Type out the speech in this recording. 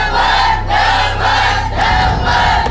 ๕๐๐๐บาทครับ